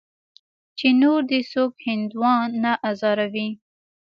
چې نور دې څوک هندوان نه ازاروي.